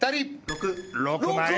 ６６万円！